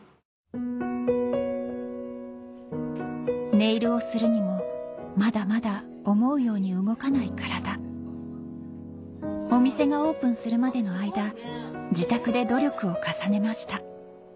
ネイルをするにもまだまだ思うように動かない体お店がオープンするまでの間自宅で努力を重ねました